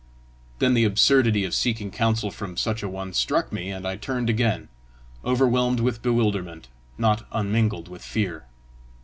Then the absurdity of seeking counsel from such a one struck me, and I turned again, overwhelmed with bewilderment, not unmingled with fear.